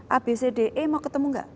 abcde mau ketemu gak